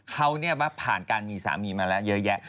เขาเนี่ยป้าผ่านการมีสามีมาแล้วเยอะแยะ